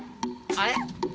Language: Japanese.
あれ？